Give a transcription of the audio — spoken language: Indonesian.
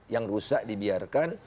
yang rusak dibiarkan